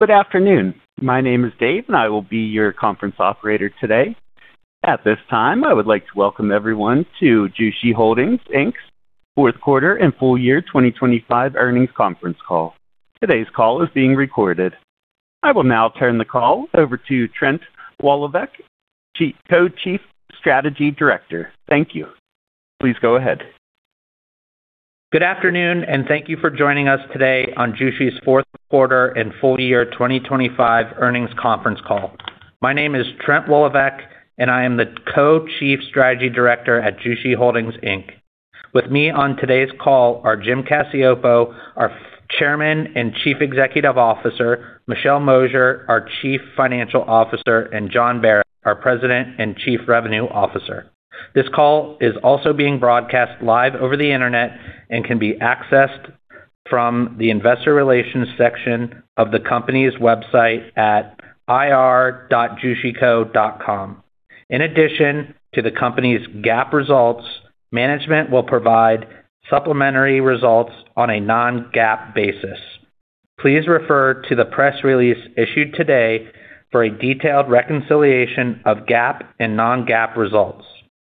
Good afternoon. My name is Dave, and I will be your conference operator today. At this time, I would like to welcome everyone to Jushi Holdings, Inc. fourth quarter and full year 2025 earnings conference call. Today's call is being recorded. I will now turn the call over to Trent Woloveck, Co-Chief Strategy Director. Thank you. Please go ahead. Good afternoon, and thank you for joining us today on Jushi's fourth quarter and full year 2025 earnings conference call. My name is Trent Woloveck, and I am the Co-Chief Strategy Director at Jushi Holdings Inc. With me on today's call are Jim Cacioppo, our Chairman and Chief Executive Officer, Michelle Mosier, our Chief Financial Officer, and Jon Barack, our President and Chief Revenue Officer. This call is also being broadcast live over the Internet and can be accessed from the investor relations section of the company's website at ir.jushico.com. In addition to the company's GAAP results, management will provide supplementary results on a non-GAAP basis. Please refer to the press release issued today for a detailed reconciliation of GAAP and non-GAAP results,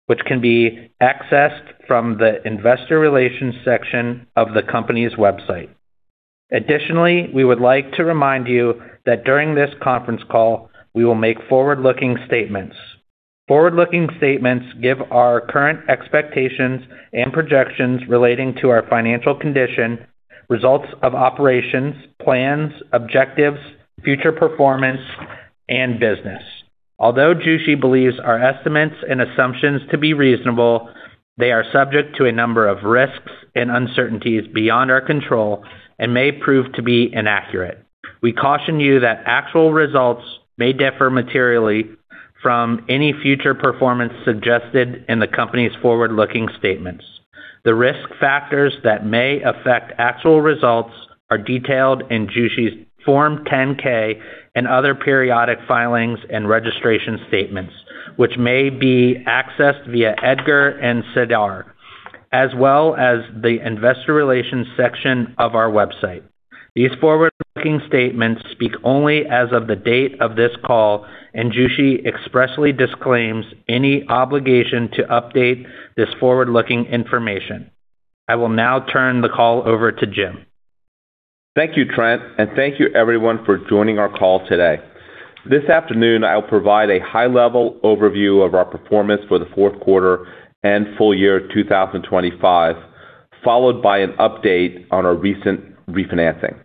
which can be accessed from the investor relations section of the company's website. Additionally, we would like to remind you that during this conference call, we will make forward-looking statements. Forward-looking statements give our current expectations and projections relating to our financial condition, results of operations, plans, objectives, future performance, and business. Although Jushi believes our estimates and assumptions to be reasonable, they are subject to a number of risks and uncertainties beyond our control and may prove to be inaccurate. We caution you that actual results may differ materially from any future performance suggested in the company's forward-looking statements. The risk factors that may affect actual results are detailed in Jushi's Form 10-K and other periodic filings and registration statements, which may be accessed via EDGAR and SEDAR, as well as the investor relations section of our website. These forward-looking statements speak only as of the date of this call, and Jushi expressly disclaims any obligation to update this forward-looking information. I will now turn the call over to Jim. Thank you, Trent, and thank you everyone for joining our call today. This afternoon, I'll provide a high-level overview of our performance for the fourth quarter and full year 2025, followed by an update on our recent refinancing.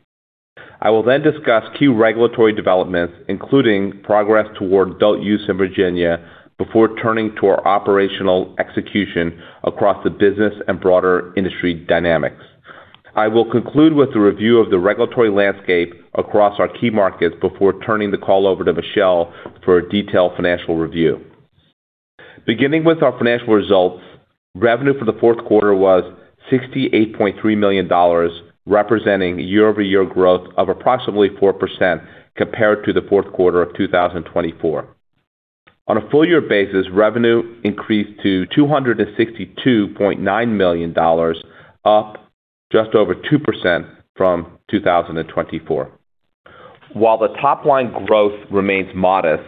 I will then discuss key regulatory developments, including progress toward adult use in Virginia, before turning to our operational execution across the business and broader industry dynamics. I will conclude with a review of the regulatory landscape across our key markets before turning the call over to Michelle for a detailed financial review. Beginning with our financial results, revenue for the fourth quarter was $68.3 million, representing year-over-year growth of approximately 4% compared to the fourth quarter of 2024. On a full year basis, revenue increased to $262.9 million, up just over 2% from 2024. While the top-line growth remains modest,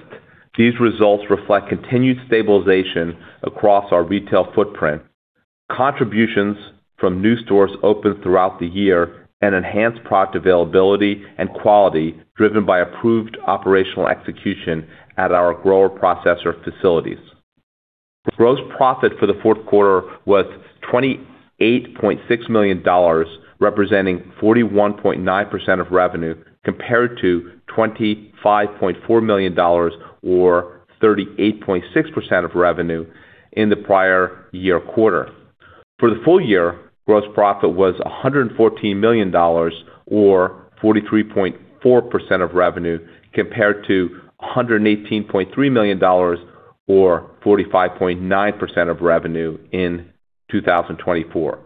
these results reflect continued stabilization across our retail footprint, contributions from new stores opened throughout the year and enhanced product availability and quality, driven by approved operational execution at our grower-processor facilities. Gross profit for the fourth quarter was $28.6 million, representing 41.9% of revenue, compared to $25.4 million or 38.6% of revenue in the prior year quarter. For the full year, gross profit was $114 million or 43.4% of revenue, compared to $118.3 million or 45.9% of revenue in 2024.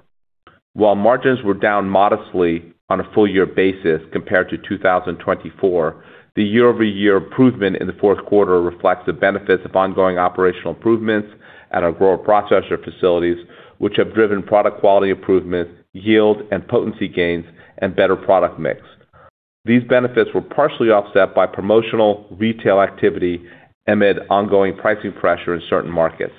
While margins were down modestly on a full year basis compared to 2024, the year-over-year improvement in the fourth quarter reflects the benefits of ongoing operational improvements at our grower-processor facilities, which have driven product quality improvements, yield and potency gains, and better product mix. These benefits were partially offset by promotional retail activity amid ongoing pricing pressure in certain markets.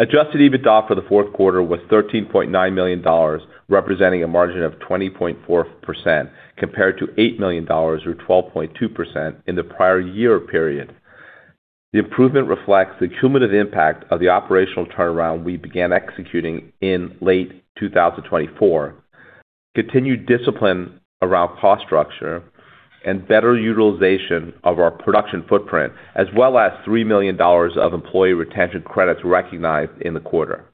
Adjusted EBITDA for the fourth quarter was $13.9 million, representing a margin of 20.4%, compared to $8 million or 12.2% in the prior year period. The improvement reflects the cumulative impact of the operational turnaround we began executing in late 2024, continued discipline around cost structure and better utilization of our production footprint, as well as $3 million of employee retention credits recognized in the quarter.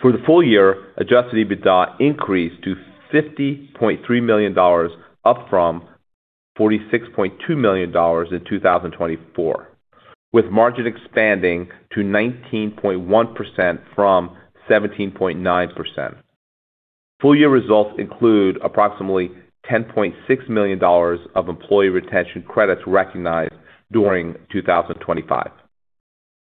For the full year, adjusted EBITDA increased to $50.3 million, up from $46.2 million in 2024, with margin expanding to 19.1% from 17.9%. Full year results include approximately $10.6 million of employee retention credits recognized during 2025.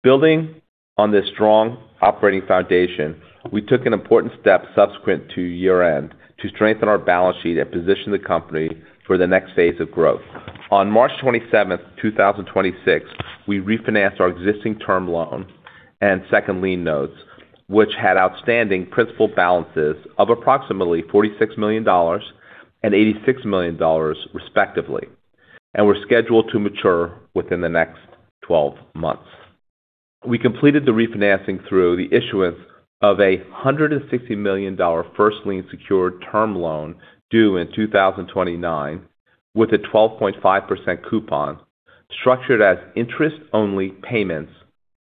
Building on this strong operating foundation, we took an important step subsequent to year-end to strengthen our balance sheet and position the company for the next phase of growth. On March 27th, 2026, we refinanced our existing term loan and second lien notes, which had outstanding principal balances of approximately $46 million and $86 million, respectively, and were scheduled to mature within the next 12 months. We completed the refinancing through the issuance of a $160 million first lien secured term loan due in 2029 with a 12.5% coupon structured as interest-only payments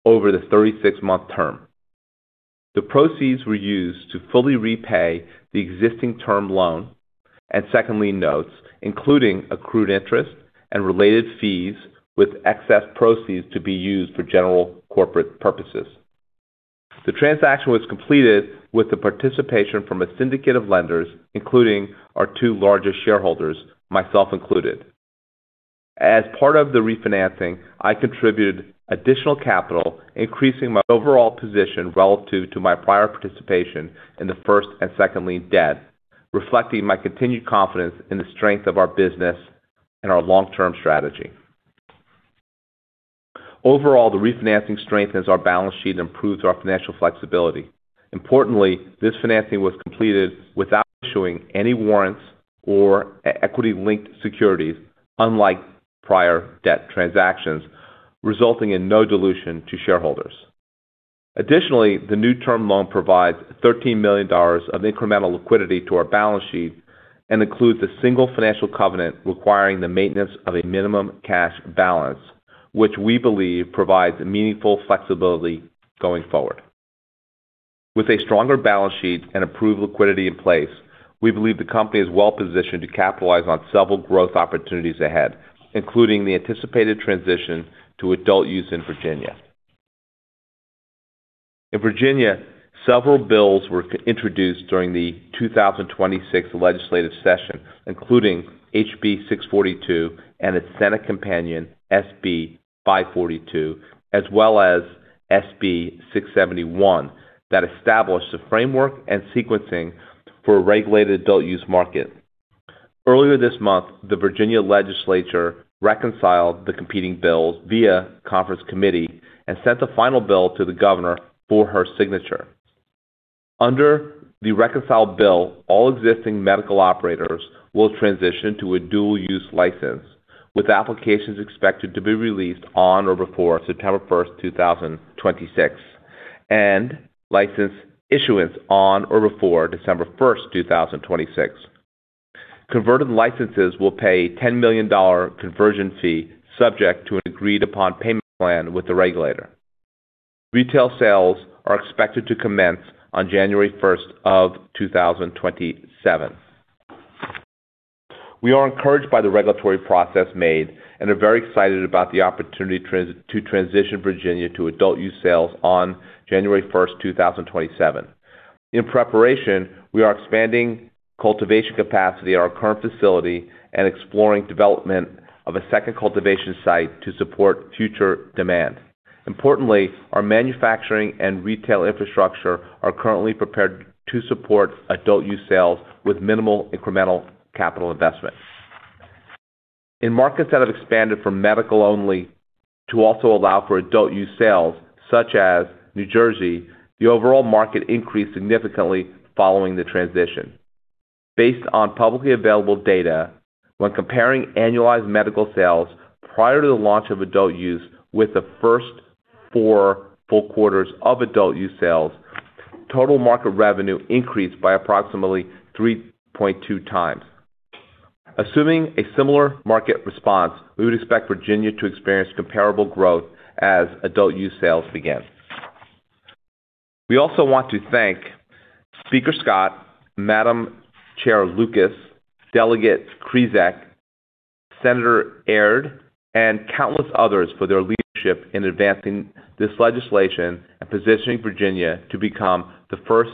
over the 36-month term. The proceeds were used to fully repay the existing term loan and second lien notes, including accrued interest and related fees, with excess proceeds to be used for general corporate purposes. The transaction was completed with the participation from a syndicate of lenders, including our two largest shareholders, myself included. As part of the refinancing, I contributed additional capital, increasing my overall position relative to my prior participation in the first and second lien debt, reflecting my continued confidence in the strength of our business and our long-term strategy. Overall, the refinancing strengthens our balance sheet and improves our financial flexibility. Importantly, this financing was completed without issuing any warrants or equity-linked securities, unlike prior debt transactions, resulting in no dilution to shareholders. Additionally, the new term loan provides $13 million of incremental liquidity to our balance sheet and includes a single financial covenant requiring the maintenance of a minimum cash balance, which we believe provides meaningful flexibility going forward. With a stronger balance sheet and approved liquidity in place, we believe the company is well-positioned to capitalize on several growth opportunities ahead, including the anticipated transition to adult use in Virginia. In Virginia, several bills were introduced during the 2026 legislative session, including HB 642 and its Senate companion, SB 542, as well as SB 671, that established the framework and sequencing for a regulated adult use market. Earlier this month, the Virginia Legislature reconciled the competing bills via conference committee and sent the final bill to the governor for her signature. Under the reconciled bill, all existing medical operators will transition to a dual use license, with applications expected to be released on or before September 1st, 2026, and license issuance on or before December 1st, 2026. Converted licenses will pay $10 million conversion fee subject to an agreed upon payment plan with the regulator. Retail sales are expected to commence on January 1st, 2027. We are encouraged by the regulatory process made and are very excited about the opportunity to transition Virginia to adult use sales on January 1st, 2027. In preparation, we are expanding cultivation capacity at our current facility and exploring development of a second cultivation site to support future demand. Importantly, our manufacturing and retail infrastructure are currently prepared to support adult use sales with minimal incremental capital investment. In markets that have expanded from medical only to also allow for adult use sales, such as New Jersey, the overall market increased significantly following the transition. Based on publicly available data, when comparing annualized medical sales prior to the launch of adult use with the first four full quarters of adult use sales, total market revenue increased by approximately 3.2x. Assuming a similar market response, we would expect Virginia to experience comparable growth as adult use sales begin. We also want to thank Speaker Scott, Madam Chair Lucas, Delegate Krizek, Senator Aird, and countless others for their leadership in advancing this legislation and positioning Virginia to become the first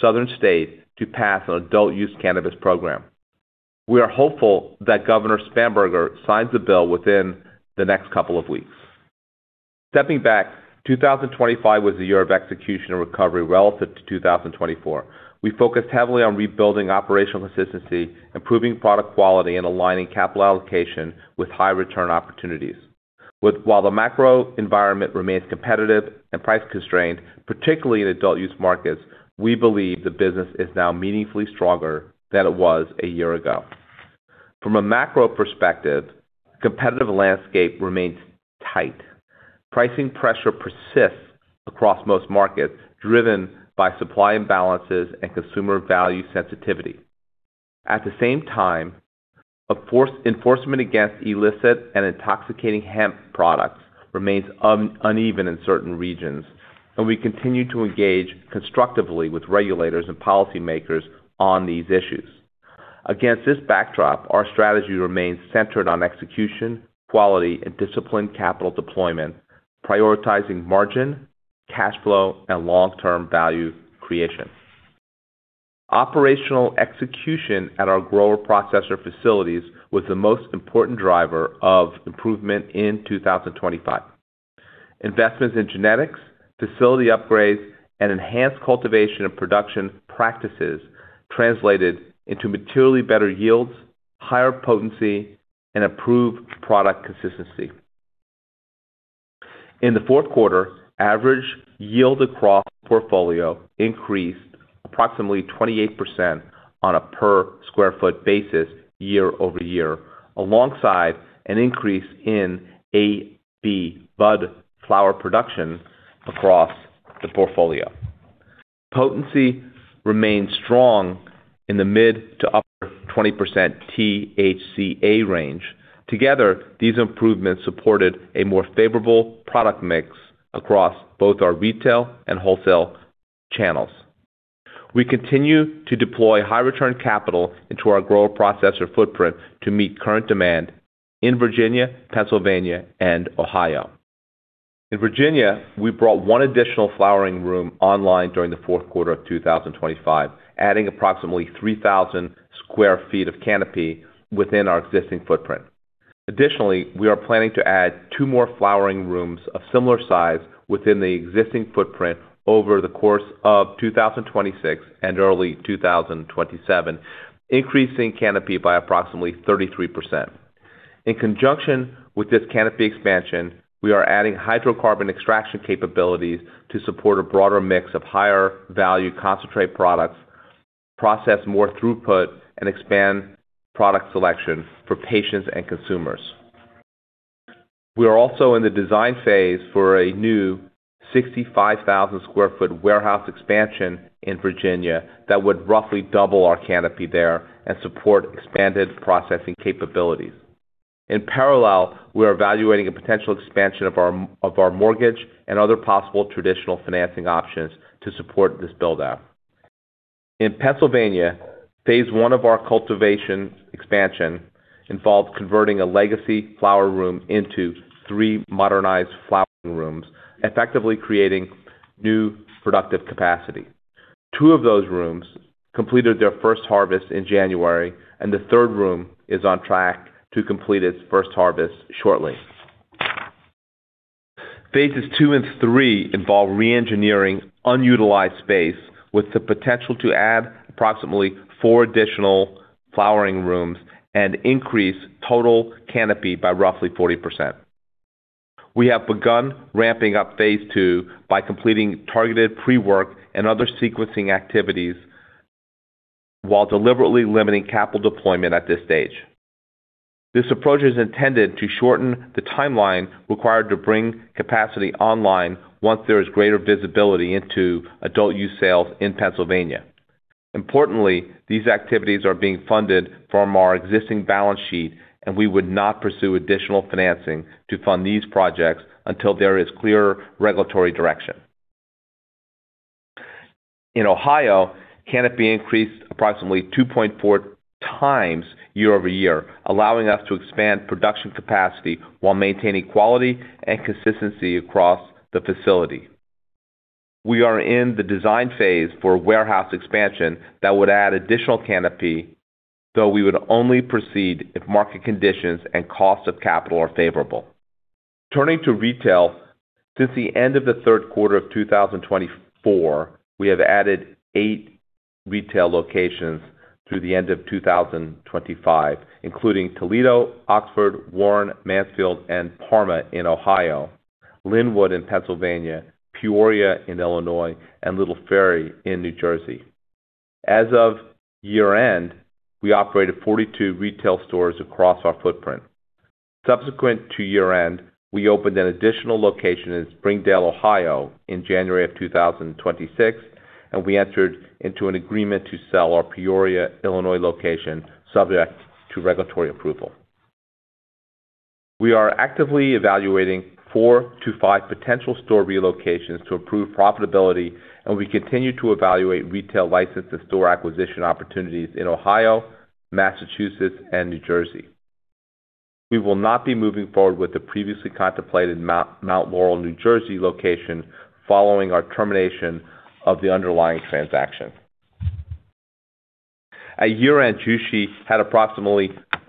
southern state to pass an adult use cannabis program. We are hopeful that Governor Spanberger signs the bill within the next couple of weeks. Stepping back, 2025 was the year of execution and recovery relative to 2024. We focused heavily on rebuilding operational consistency, improving product quality, and aligning capital allocation with high return opportunities. While the macro environment remains competitive and price constrained, particularly in adult use markets, we believe the business is now meaningfully stronger than it was a year ago. From a macro perspective, competitive landscape remains tight. Pricing pressure persists across most markets, driven by supply imbalances and consumer value sensitivity. At the same time, enforcement against illicit and intoxicating hemp products remains uneven in certain regions, and we continue to engage constructively with regulators and policymakers on these issues. Against this backdrop, our strategy remains centered on execution, quality, and disciplined capital deployment, prioritizing margin, cash flow, and long-term value creation. Operational execution at our grower-processor facilities was the most important driver of improvement in 2025. Investments in genetics, facility upgrades, and enhanced cultivation and production practices translated into materially better yields, higher potency, and improved product consistency. In the fourth quarter, average yield across portfolio increased approximately 28% on a per square foot basis year-over-year, alongside an increase in A bud flower production across the portfolio. Potency remained strong in the mi to upper-20% THCA range. Together, these improvements supported a more favorable product mix across both our retail and wholesale channels. We continue to deploy high return capital into our grower-processor footprint to meet current demand in Virginia, Pennsylvania, and Ohio. In Virginia, we brought one additional flowering room online during the fourth quarter of 2025, adding approximately 3,000 sq ft of canopy within our existing footprint. Additionally, we are planning to add two more flowering rooms of similar size within the existing footprint over the course of 2026 and early 2027, increasing canopy by approximately 33%. In conjunction with this canopy expansion, we are adding hydrocarbon extraction capabilities to support a broader mix of higher value concentrate products, process more throughput, and expand product selection for patients and consumers. We are also in the design phase for a new 65,000 sq ft warehouse expansion in Virginia that would roughly double our canopy there and support expanded processing capabilities. In parallel, we are evaluating a potential expansion of our mortgage and other possible traditional financing options to support this build-out. In Pennsylvania, Phase 1 of our cultivation expansion involved converting a legacy flower room into three modernized flowering rooms, effectively creating new productive capacity. Two of those rooms completed their first harvest in January, and the third room is on track to complete its first harvest shortly. Phases 2 and 3 involve re-engineering unutilized space with the potential to add approximately four additional flowering rooms and increase total canopy by roughly 40%. We have begun ramping up Phase 2 by completing targeted pre-work and other sequencing activities while deliberately limiting capital deployment at this stage. This approach is intended to shorten the timeline required to bring capacity online once there is greater visibility into adult use sales in Pennsylvania. Importantly, these activities are being funded from our existing balance sheet, and we would not pursue additional financing to fund these projects until there is clearer regulatory direction. In Ohio, canopy increased approximately 2.4x year-over-year, allowing us to expand production capacity while maintaining quality and consistency across the facility. We are in the design phase for warehouse expansion that would add additional canopy, though we would only proceed if market conditions and cost of capital are favorable. Turning to retail, since the end of the third quarter of 2024, we have added eight retail locations through the end of 2025, including Toledo, Oxford, Warren, Mansfield, and Parma in Ohio, Linwood in Pennsylvania, Peoria in Illinois, and Little Ferry in New Jersey. As of year-end, we operated 42 retail stores across our footprint. Subsequent to year-end, we opened an additional location in Springdale, Ohio in January 2026, and we entered into an agreement to sell our Peoria, Illinois location, subject to regulatory approval. We are actively evaluating four to five potential store relocations to improve profitability, and we continue to evaluate retail license and store acquisition opportunities in Ohio, Massachusetts, and New Jersey. We will not be moving forward with the previously contemplated Mount Laurel, New Jersey location following our termination of the underlying transaction. At year-end, Jushi had approximately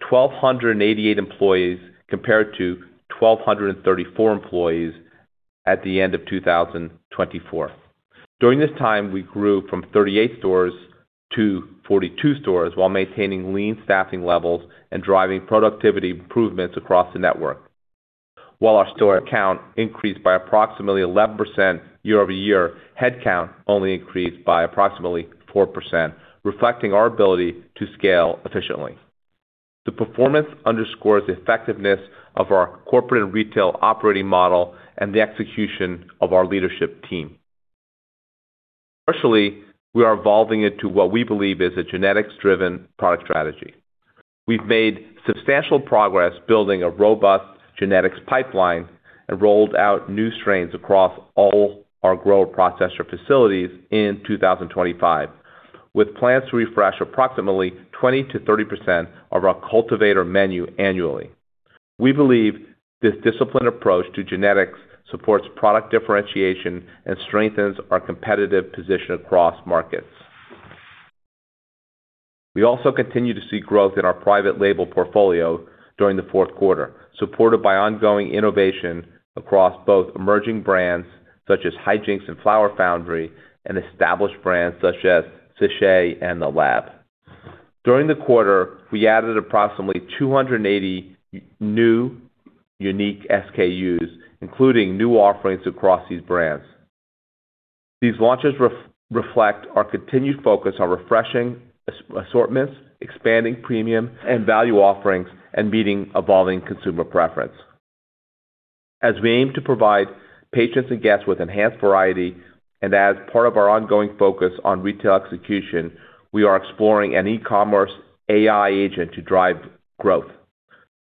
1,288 employees compared to 1,234 employees at the end of 2024. During this time, we grew from 38 stores to 42 stores while maintaining lean staffing levels and driving productivity improvements across the network. While our store count increased by approximately 11% year over year, headcount only increased by approximately 4%, reflecting our ability to scale efficiently. The performance underscores the effectiveness of our corporate and retail operating model and the execution of our leadership team. Commercially, we are evolving into what we believe is a genetics-driven product strategy. We've made substantial progress building a robust genetics pipeline and rolled out new strains across all our grower-processor facilities in 2025, with plans to refresh approximately 20%-30% of our cultivator menu annually. We believe this disciplined approach to genetics supports product differentiation and strengthens our competitive position across markets. We also continue to see growth in our private label portfolio during the fourth quarter, supported by ongoing innovation across both emerging brands such as Hijinks and Flower Foundry, and established brands such as Sèche and The Lab. During the quarter, we added approximately 280 new unique SKUs, including new offerings across these brands. These launches reflect our continued focus on refreshing assortments, expanding premium and value offerings, and meeting evolving consumer preference. As we aim to provide patients and guests with enhanced variety, and as part of our ongoing focus on retail execution, we are exploring an e-commerce AI agent to drive growth,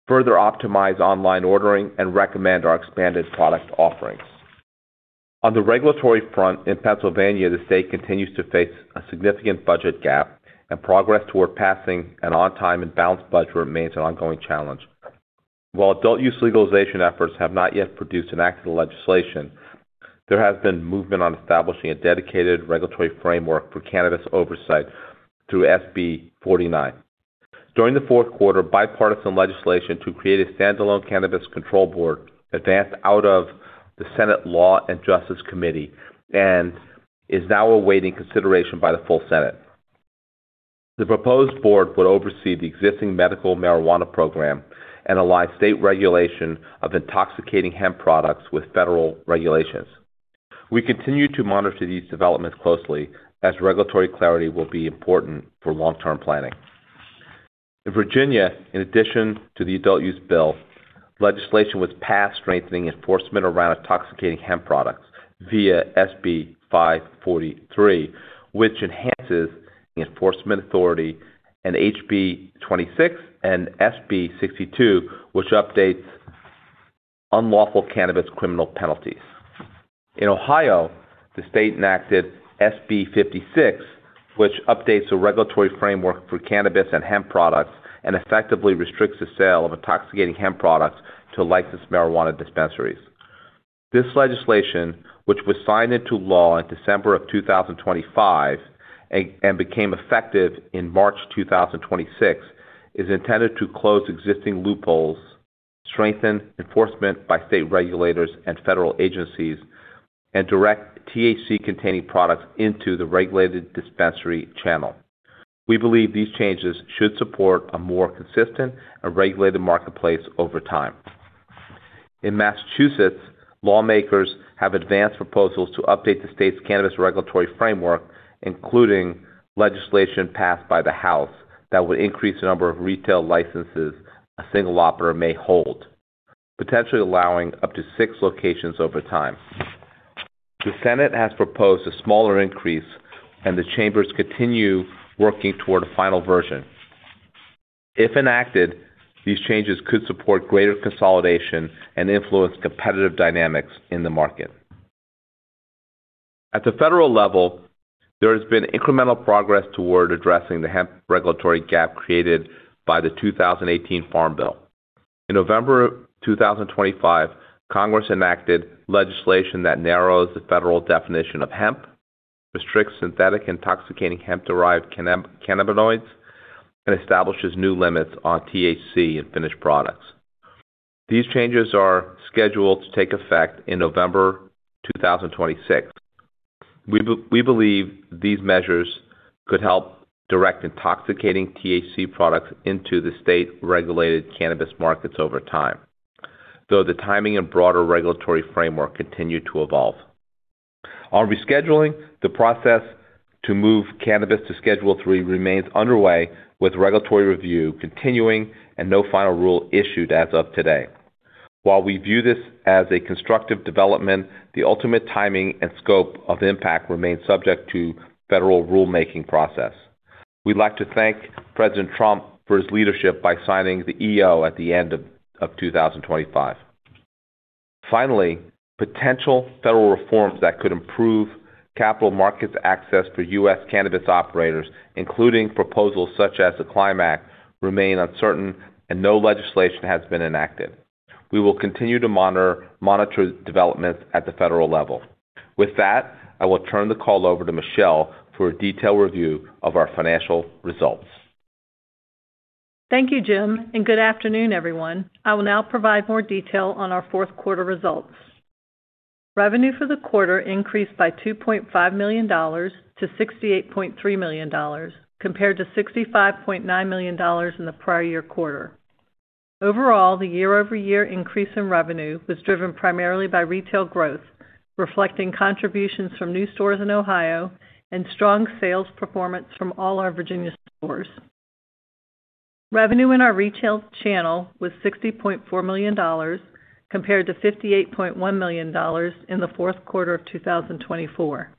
further optimize online ordering, and recommend our expanded product offerings. On the regulatory front in Pennsylvania, the state continues to face a significant budget gap and progress toward passing an on-time and balanced budget remains an ongoing challenge. While adult use legalization efforts have not yet produced an act of legislation, there has been movement on establishing a dedicated regulatory framework for cannabis oversight through SB 49. During the fourth quarter, bipartisan legislation to create a standalone cannabis control board advanced out of the Senate Law and Justice Committee and is now awaiting consideration by the full Senate. The proposed board would oversee the existing medical marijuana program and align state regulation of intoxicating hemp products with federal regulations. We continue to monitor these developments closely as regulatory clarity will be important for long-term planning. In Virginia, in addition to the adult use bill, legislation was passed strengthening enforcement around intoxicating hemp products via SB 543, which enhances the enforcement authority, and HB 26 and SB 62, which updates unlawful cannabis criminal penalties. In Ohio, the state enacted SB 56, which updates the regulatory framework for cannabis and hemp products and effectively restricts the sale of intoxicating hemp products to licensed marijuana dispensaries. This legislation, which was signed into law in December 2025, and became effective in March 2026, is intended to close existing loopholes, strengthen enforcement by state regulators and federal agencies, and direct THC-containing products into the regulated dispensary channel. We believe these changes should support a more consistent and regulated marketplace over time. In Massachusetts, lawmakers have advanced proposals to update the state's cannabis regulatory framework, including legislation passed by the House that would increase the number of retail licenses a single operator may hold, potentially allowing up to six locations over time. The Senate has proposed a smaller increase, and the chambers continue working toward a final version. If enacted, these changes could support greater consolidation and influence competitive dynamics in the market. At the federal level, there has been incremental progress toward addressing the hemp regulatory gap created by the 2018 Farm Bill. In November 2025, Congress enacted legislation that narrows the federal definition of hemp, restricts synthetic intoxicating hemp-derived cannabinoids, and establishes new limits on THC in finished products. These changes are scheduled to take effect in November 2026. We believe these measures could help direct intoxicating THC products into the state-regulated cannabis markets over time, though the timing and broader regulatory framework continue to evolve. On rescheduling, the process to move cannabis to Schedule III remains underway, with regulatory review continuing and no final rule issued as of today. While we view this as a constructive development, the ultimate timing and scope of impact remains subject to federal rulemaking process. We'd like to thank President Trump for his leadership by signing the EO at the end of 2025. Finally, potential federal reforms that could improve capital markets access for U.S. cannabis operators, including proposals such as the CLIMB Act, remain uncertain and no legislation has been enacted. We will continue to monitor developments at the federal level. With that, I will turn the call over to Michelle for a detailed review of our financial results. Thank you, Jim, and good afternoon, everyone. I will now provide more detail on our fourth quarter results. Revenue for the quarter increased by $2.5 million-$68.3 million, compared to $65.9 million in the prior year quarter. Overall, the year-over-year increase in revenue was driven primarily by retail growth, reflecting contributions from new stores in Ohio and strong sales performance from all our Virginia stores. Revenue in our retail channel was $60.4 million compared to $58.1 million in the fourth quarter of 2024.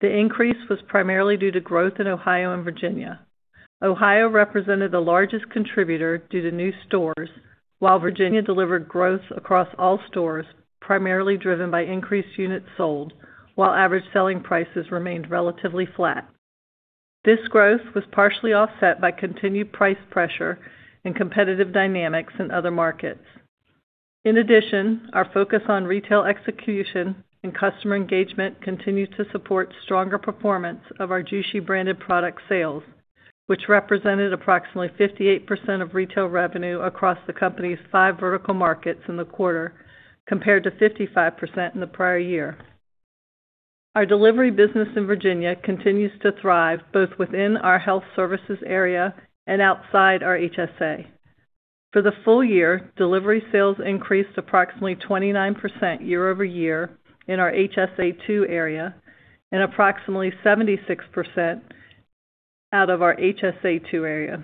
The increase was primarily due to growth in Ohio and Virginia. Ohio represented the largest contributor due to new stores, while Virginia delivered growth across all stores, primarily driven by increased units sold, while average selling prices remained relatively flat. This growth was partially offset by continued price pressure and competitive dynamics in other markets. In addition, our focus on retail execution and customer engagement continued to support stronger performance of our Jushi branded product sales, which represented approximately 58% of retail revenue across the company's five vertical markets in the quarter, compared to 55% in the prior year. Our delivery business in Virginia continues to thrive both within our health services area and outside our HSA. For the full year, delivery sales increased approximately 29% year-over-year in our HSA two area and approximately 76% out of our HSA two area,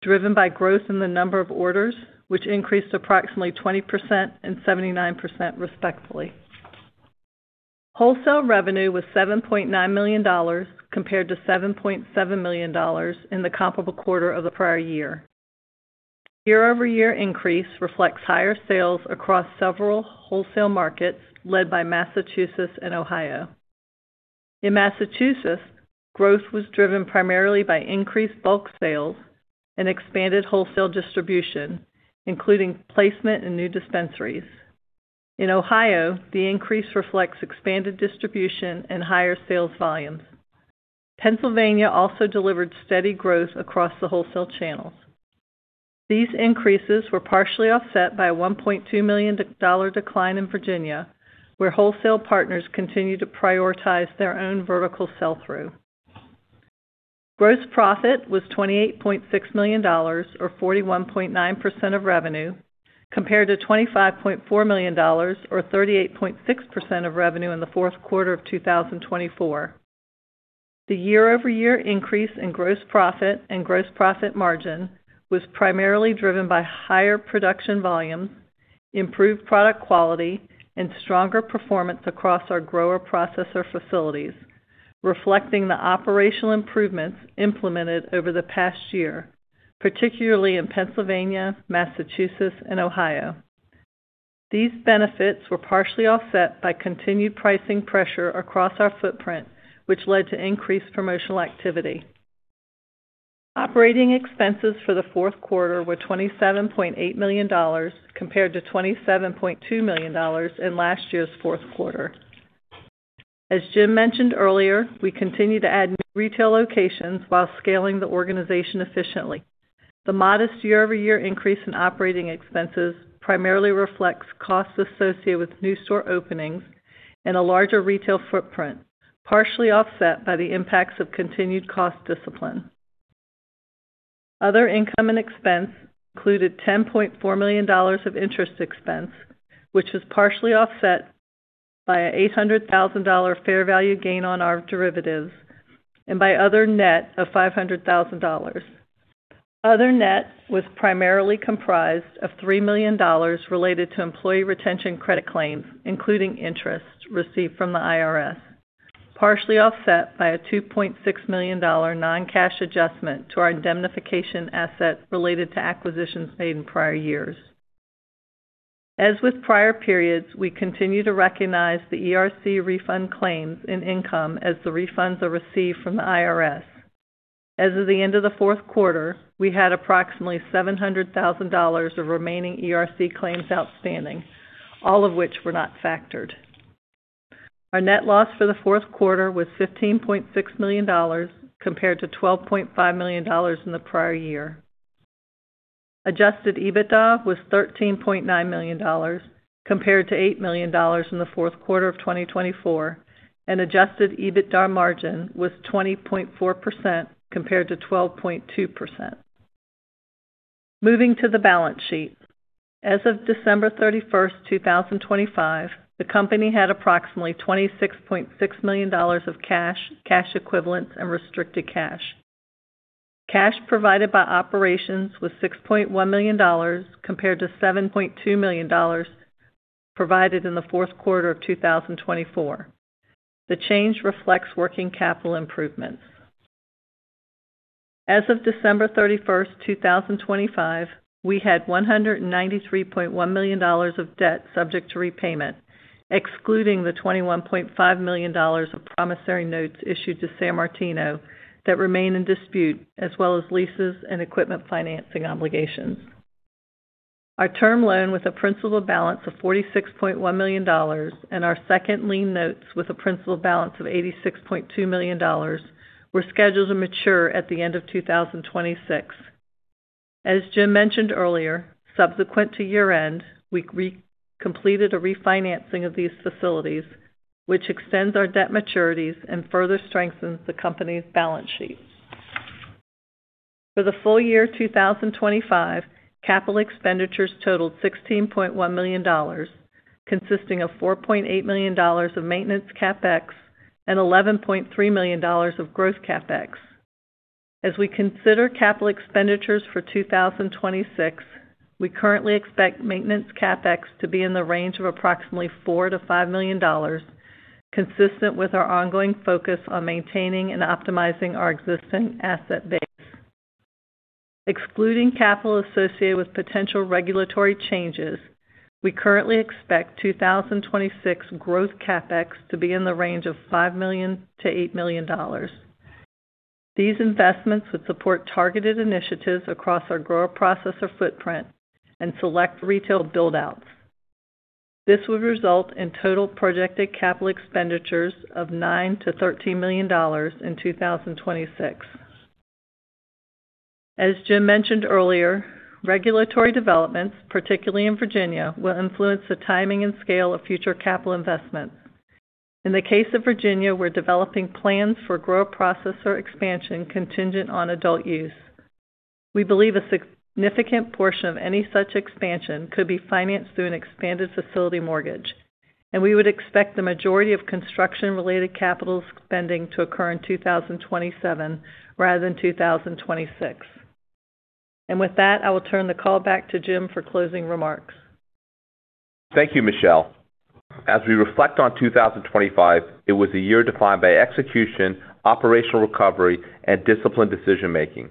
driven by growth in the number of orders, which increased approximately 20% and 79%, respectively. Wholesale revenue was $7.9 million compared to $7.7 million in the comparable quarter of the prior year. Year-over-year increase reflects higher sales across several wholesale markets led by Massachusetts and Ohio. In Massachusetts, growth was driven primarily by increased bulk sales and expanded wholesale distribution, including placement in new dispensaries. In Ohio, the increase reflects expanded distribution and higher sales volumes. Pennsylvania also delivered steady growth across the wholesale channels. These increases were partially offset by a $1.2 million decline in Virginia, where wholesale partners continue to prioritize their own vertical sell-through. Gross profit was $28.6 million or 41.9% of revenue, compared to $25.4 million or 38.6% of revenue in the fourth quarter of 2024. The year-over-year increase in gross profit and gross profit margin was primarily driven by higher production volumes, improved product quality, and stronger performance across our grower-processor facilities, reflecting the operational improvements implemented over the past year, particularly in Pennsylvania, Massachusetts, and Ohio. These benefits were partially offset by continued pricing pressure across our footprint, which led to increased promotional activity. Operating expenses for the fourth quarter were $27.8 million compared to $27.2 million in last year's fourth quarter. As Jim mentioned earlier, we continue to add new retail locations while scaling the organization efficiently. The modest year-over-year increase in operating expenses primarily reflects costs associated with new store openings and a larger retail footprint, partially offset by the impacts of continued cost discipline. Other income and expense included $10.4 million of interest expense, which was partially offset by an $800,000 fair value gain on our derivatives and by other net of $500,000. Other net was primarily comprised of $3 million related to employee retention credit claims, including interest received from the IRS, partially offset by a $2.6 million non-cash adjustment to our indemnification assets related to acquisitions made in prior years. As with prior periods, we continue to recognize the ERC refund claims in income as the refunds are received from the IRS. As of the end of the fourth quarter, we had approximately $700,000 of remaining ERC claims outstanding, all of which were not factored. Our net loss for the fourth quarter was $15.6 million compared to $12.5 million in the prior year. Adjusted EBITDA was $13.9 million compared to $8 million in the fourth quarter of 2024, and adjusted EBITDA margin was 20.4% compared to 12.2%. Moving to the balance sheet. As of December 31st, 2025, the company had approximately $26.6 million of cash equivalents and restricted cash. Cash provided by operations was $6.1 million compared to $7.2 million provided in the fourth quarter of 2024. The change reflects working capital improvements. As of December 31st, 2025, we had $193.1 million of debt subject to repayment, excluding the $21.5 million of promissory notes issued to Sammartino that remain in dispute, as well as leases and equipment financing obligations. Our term loan with a principal balance of $46.1 million and our second lien notes with a principal balance of $86.2 million were scheduled to mature at the end of 2026. As Jim mentioned earlier, subsequent to year-end, we completed a refinancing of these facilities, which extends our debt maturities and further strengthens the company's balance sheet. For the full year 2025, capital expenditures totaled $16.1 million, consisting of $4.8 million of maintenance CapEx and $11.3 million of growth CapEx. As we consider capital expenditures for 2026, we currently expect maintenance CapEx to be in the range of approximately $4 million-$5 million, consistent with our ongoing focus on maintaining and optimizing our existing asset base. Excluding capital associated with potential regulatory changes, we currently expect 2026 growth CapEx to be in the range of $5 million-$8 million. These investments would support targeted initiatives across our grower-processor footprint and select retail build-outs. This would result in total projected capital expenditures of $9 million-$13 million in 2026. As Jim mentioned earlier, regulatory developments, particularly in Virginia, will influence the timing and scale of future capital investments. In the case of Virginia, we're developing plans for grower-processor expansion contingent on adult use. We believe a significant portion of any such expansion could be financed through an expanded facility mortgage, and we would expect the majority of construction-related capital spending to occur in 2027 rather than 2026. With that, I will turn the call back to Jim for closing remarks. Thank you, Michelle. As we reflect on 2025, it was a year defined by execution, operational recovery, and disciplined decision-making.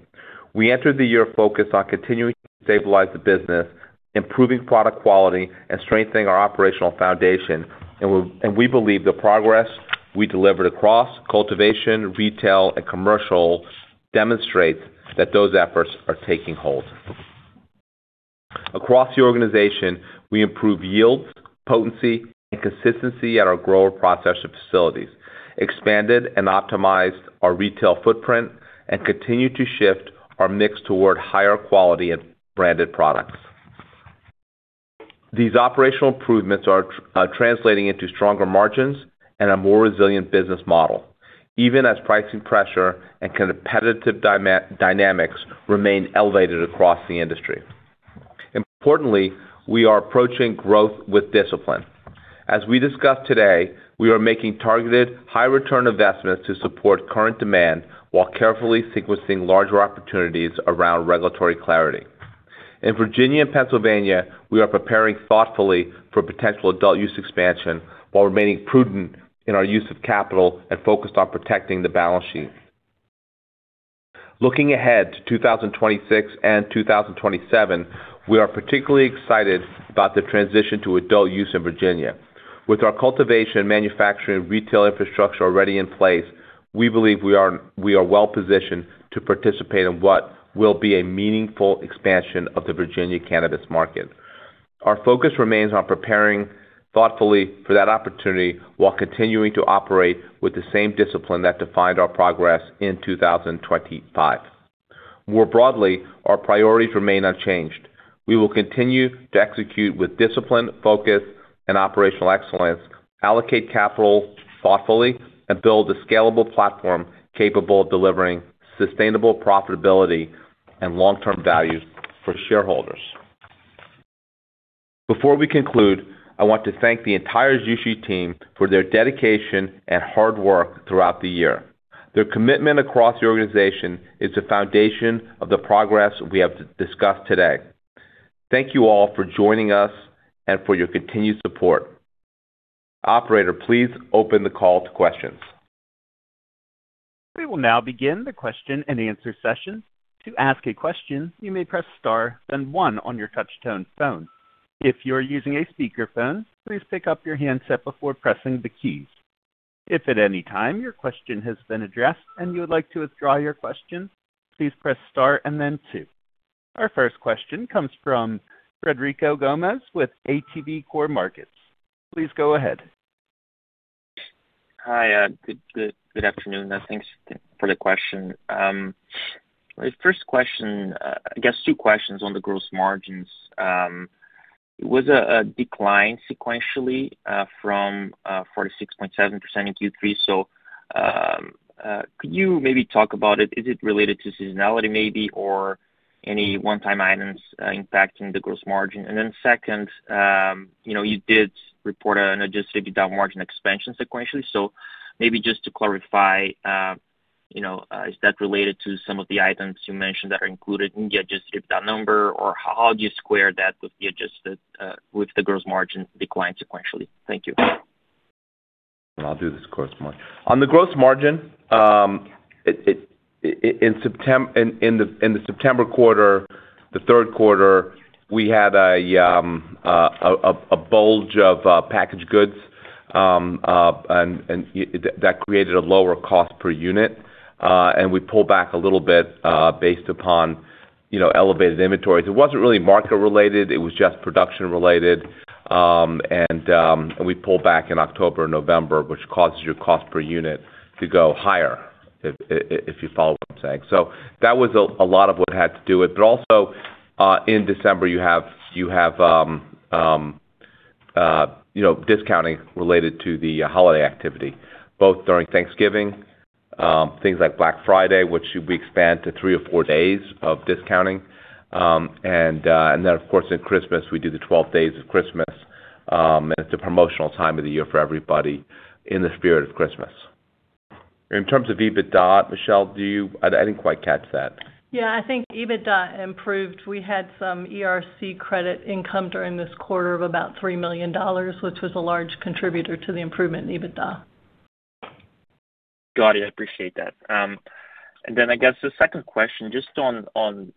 We entered the year focused on continuing to stabilize the business, improving product quality, and strengthening our operational foundation. We believe the progress we delivered across cultivation, retail, and commercial demonstrates that those efforts are taking hold. Across the organization, we improved yields, potency, and consistency at our grower-processor facilities, expanded and optimized our retail footprint, and continued to shift our mix toward higher quality and branded products. These operational improvements are translating into stronger margins and a more resilient business model, even as pricing pressure and competitive dynamics remain elevated across the industry. Importantly, we are approaching growth with discipline. As we discussed today, we are making targeted high return on investments to support current demand while carefully sequencing larger opportunities around regulatory clarity. In Virginia and Pennsylvania, we are preparing thoughtfully for potential adult use expansion while remaining prudent in our use of capital and focused on protecting the balance sheet. Looking ahead to 2026 and 2027, we are particularly excited about the transition to adult use in Virginia. With our cultivation, manufacturing, retail infrastructure already in place, we believe we are well-positioned to participate in what will be a meaningful expansion of the Virginia cannabis market. Our focus remains on preparing thoughtfully for that opportunity while continuing to operate with the same discipline that defined our progress in 2025. More broadly, our priorities remain unchanged. We will continue to execute with discipline, focus, and operational excellence, allocate capital thoughtfully, and build a scalable platform capable of delivering sustainable profitability and long-term value for shareholders. Before we conclude, I want to thank the entire Jushi team for their dedication and hard work throughout the year. Their commitment across the organization is the foundation of the progress we have discussed today. Thank you all for joining us and for your continued support. Operator, please open the call to questions. We will now begin the question-and-answer session. To ask a question, you may press star then one on your touchtone phone. If you are using a speakerphone, please pick up your handset before pressing the keys. If at any time your question has been addressed and you would like to withdraw your question, please press star and then two. Our first question comes from Frederico Gomes with ATB Cormark Markets. Please go ahead. Hi, good afternoon, and thanks for the question. My first question, I guess, two questions on the gross margins. It was a decline sequentially from 46.7% in Q3. Could you maybe talk about it? Is it related to seasonality maybe or any one-time items impacting the gross margin? And then second, you know, you did report an adjusted EBITDA margin expansion sequentially. Maybe just to clarify, you know, is that related to some of the items you mentioned that are included in the adjusted EBITDA number, or how do you square that with the gross margin decline sequentially? Thank you. I'll do this gross margin. On the gross margin, it, in the September quarter, the third quarter, we had a bulge of packaged goods, and that created a lower cost per unit, and we pulled back a little bit based upon, you know, elevated inventories. It wasn't really market related, it was just production related. We pulled back in October, November, which causes your cost per unit to go higher, if you follow what I'm saying. That was a lot of what had to do with. Also, in December you have you know, discounting related to the holiday activity, both during Thanksgiving, things like Black Friday, which we expand to three or four days of discounting. Of course in Christmas we do the 12 days of Christmas, and it's a promotional time of the year for everybody in the spirit of Christmas. In terms of EBITDA, Michelle, do you? I didn't quite catch that. Yeah. I think EBITDA improved. We had some ERC credit income during this quarter of about $3 million, which was a large contributor to the improvement in EBITDA. Got it. I appreciate that. I guess the second question just on,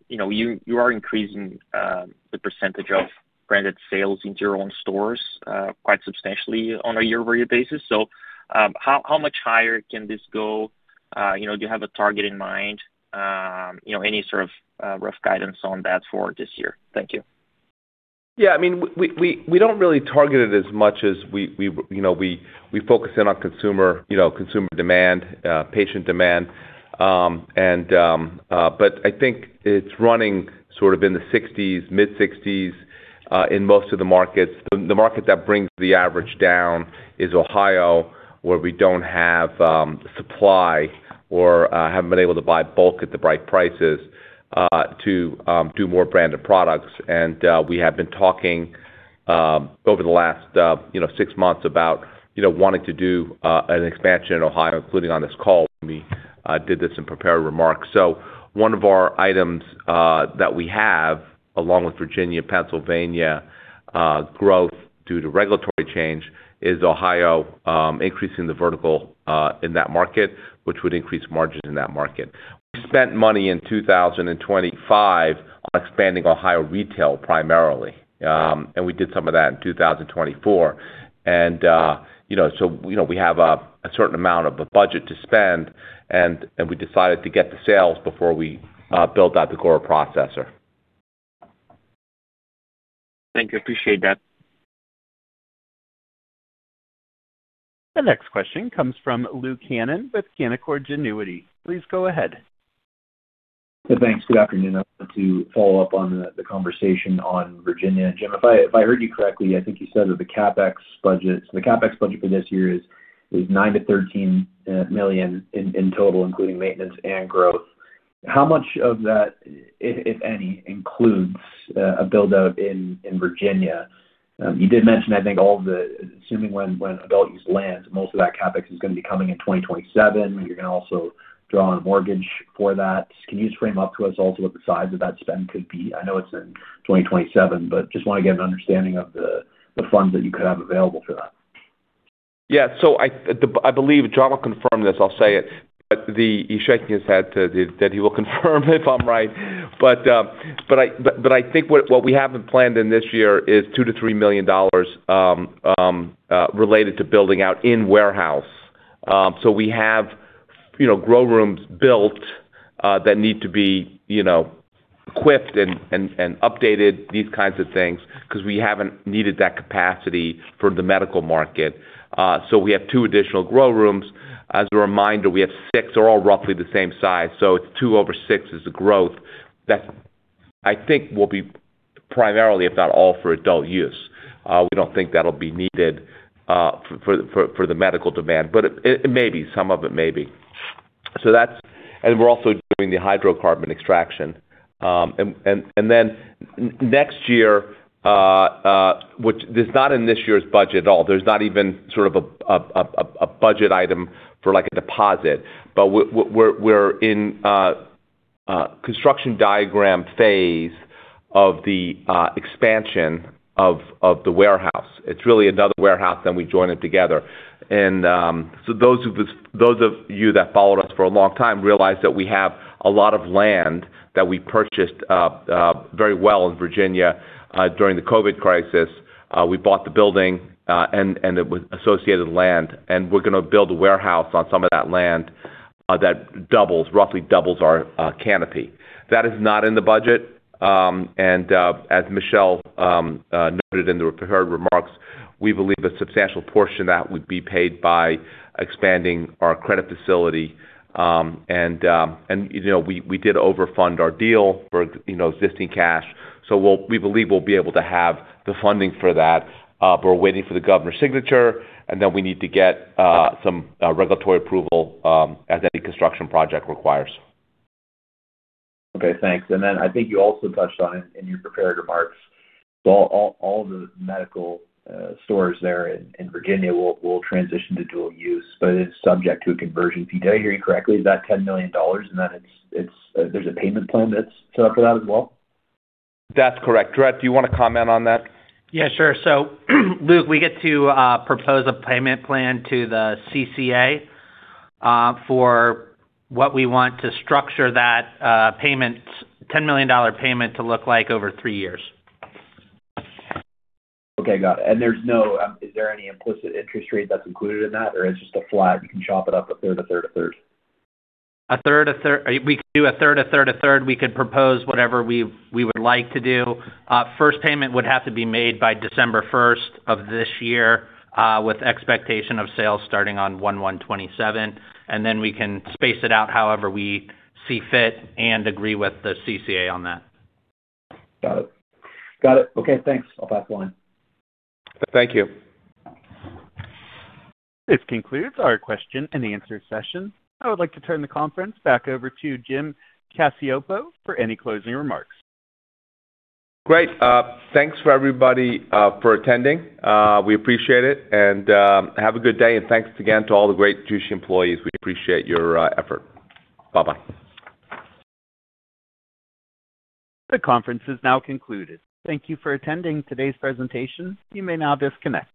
you know, you are increasing the percentage of branded sales into your own stores quite substantially on a year-over-year basis. How much higher can this go? You know, do you have a target in mind? You know, any sort of rough guidance on that for this year? Thank you. Yeah. I mean, we don't really target it as much as we, you know, we focus in on consumer, you know, consumer demand, patient demand. But I think it's running sort of in the 60s%, mid-60s%, in most of the markets. The market that brings the average down is Ohio, where we don't have supply or haven't been able to buy bulk at the right prices to do more branded products. We have been talking over the last six months about wanting to do an expansion in Ohio, including on this call when we did this in prepared remarks. One of our items that we have, along with Virginia, Pennsylvania, growth due to regulatory change, is Ohio, increasing the vertical in that market, which would increase margin in that market. We spent money in 2025 on expanding Ohio retail primarily, and we did some of that in 2024. You know, so you know, we have a certain amount of a budget to spend, and we decided to get the sales before we built out the grower-processor. Thank you. I appreciate that. The next question comes from Luke Hannan with Canaccord Genuity. Please go ahead. Thanks. Good afternoon. I wanted to follow up on the conversation on Virginia. Jim, if I heard you correctly, I think you said that the CapEx budget for this year is $9 million-$13 million in total, including maintenance and growth. How much of that, if any, includes a build-out in Virginia? You did mention, I think all of the, assuming when adult use lands, most of that CapEx is gonna be coming in 2027, and you're gonna also draw on a mortgage for that. Can you just frame up to us also what the size of that spend could be? I know it's in 2027, but just wanna get an understanding of the funds that you could have available for that. Yeah. I believe Jon will confirm this. I'll say it, but he's shaking his head that he will confirm if I'm right. I think what we have planned in this year is $2 million-$3 million related to building out in warehouse. We have, you know, grow rooms built that need to be, you know, equipped and updated, these kinds of things, 'cause we haven't needed that capacity for the medical market. We have two additional grow rooms. As a reminder, we have six. They're all roughly the same size, so it's two over six is the growth that I think will be primarily, if not all, for adult use. We don't think that'll be needed for the medical demand, but it may be. Some of it may be. We're also doing the hydrocarbon extraction. Next year, which this is not in this year's budget at all. There's not even sort of a budget item for, like, a deposit. We're in a construction design phase of the expansion of the warehouse. It's really another warehouse, then we join it together. Those of you that followed us for a long time realize that we have a lot of land that we purchased very well in Virginia during the COVID crisis. We bought the building and the associated land, and we're gonna build a warehouse on some of that land that roughly doubles our canopy. That is not in the budget. As Michelle noted in her remarks, we believe a substantial portion of that would be paid by expanding our credit facility. You know, we did overfund our deal for existing cash, so we believe we'll be able to have the funding for that. We're waiting for the governor's signature, and then we need to get some regulatory approval as any construction project requires. Okay, thanks. I think you also touched on it in your prepared remarks. All the medical stores there in Virginia will transition to dual-use, but it is subject to a conversion fee. Did I hear you correctly? Is that $10 million, and then it's a payment plan that's set up for that as well? That's correct. Jon, do you wanna comment on that? Yeah, sure. Luke, we get to propose a payment plan to the CCA for what we want to structure that $10 million payment to look like over three years. Okay, got it. There's no, is there any implicit interest rate that's included in that, or it's just a flat, we can chop it up a third? A third. We could do a third. We could propose whatever we would like to do. First payment would have to be made by December 1st of this year, with expectation of sales starting on January 1, 2027, and then we can space it out however we see fit and agree with the CCA on that. Got it. Okay, thanks. I'll pass the line. Thank you. This concludes our question and answer session. I would like to turn the conference back over to Jim Cacioppo for any closing remarks. Great. Thanks for everybody for attending. We appreciate it. Have a good day, and thanks again to all the great Jushi employees. We appreciate your effort. Bye-bye. The conference is now concluded. Thank you for attending today's presentation. You may now disconnect.